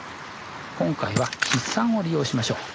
今回は筆算を利用しましょう。